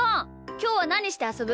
きょうはなにしてあそぶ？